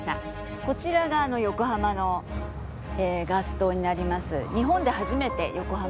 こちらが横浜のガス灯になります。